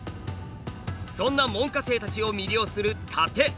そんな門下生たちを魅了する殺陣。